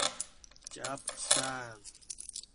執生